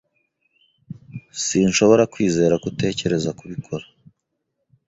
Sinshobora kwizera ko utekereza kubikora.